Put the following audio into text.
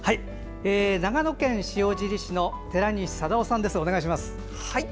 長野県塩尻市の寺西定雄さんです。